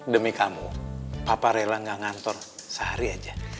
demi kamu papa rela gak ngantor sehari aja